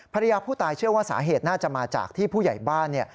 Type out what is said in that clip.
ภรรยาผู้ตายเชื่อว่าสาเหตุน่าจะมาจากที่ผู้ใหญ่บ้านเนี่ย